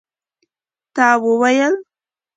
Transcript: تا وویل?